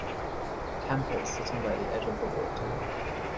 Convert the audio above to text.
Campers sitting by the edge of the water.